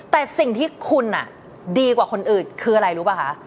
แต่สิ่งที่คุณดีกว่าคนอื่นคืออะไรรู้ป่ะคะ